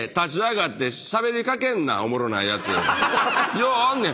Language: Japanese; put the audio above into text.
ようあんねん。